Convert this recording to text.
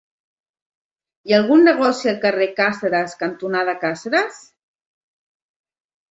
Hi ha algun negoci al carrer Càceres cantonada Càceres?